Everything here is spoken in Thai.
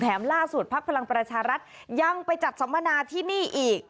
แถมล่าสุดภักร์พลังปรญชารัตน์ยังไปจัดสมณะที่นี่อีก